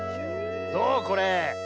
どうこれ？